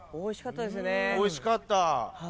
おいしかった。